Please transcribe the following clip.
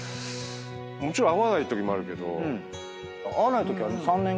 もちろん会わないときもあるけど。